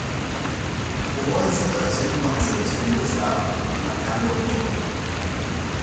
Jugó en siete ocasiones con la selección yugoslava, marcando un gol.